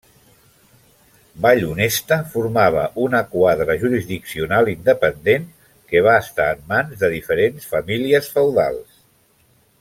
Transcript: Vallhonesta formava una quadra jurisdiccional independent que va estar en mans de diferents famílies feudals.